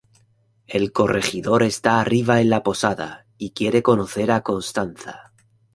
El corregidor está arriba en la posada y quiere conocer a Costanza.